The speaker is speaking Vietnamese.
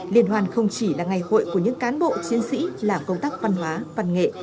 liên hoan không chỉ là ngày hội của những cán bộ chiến sĩ làm công tác văn hóa văn nghệ